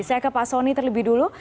saya ke pak soni terlebih dulu